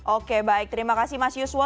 oke baik terima kasih mas yuswo